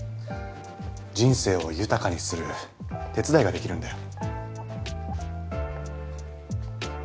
人生を豊かにする手伝いができるんだよ。